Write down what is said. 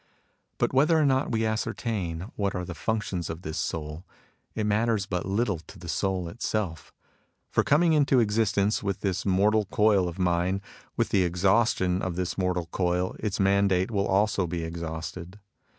" But whether or not we ascertain what are the functions of this soul, it matters but little to the soul itself. For, coming into existence with this mortal coil of mine, with the exhaustion of this mortal coil its mandate will also be ex hausted.